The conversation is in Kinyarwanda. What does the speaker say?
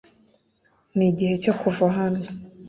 nigihe cyo kuva hano